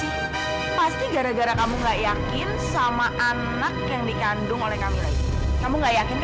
ibu kok tau kamilah ada disini